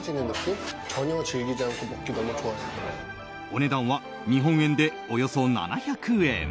お値段は日本円でおよそ７００円。